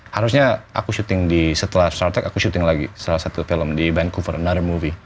harusnya aku shooting di setelah star trek aku shooting lagi salah satu film di vancouver another movie